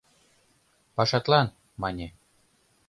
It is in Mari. — Пашатлан, — мане.